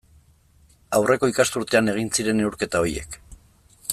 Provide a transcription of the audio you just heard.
Aurreko ikasturtean egin ziren neurketa horiek.